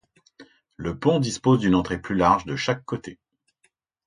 Le pont dispose d'une entrée plus large de chaque côté.